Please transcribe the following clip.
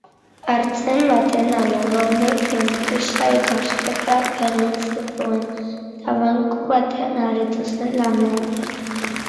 Artzain baten alaba honek enpresa-ikasketak egin zituen eta banku batean aritu zen lanean.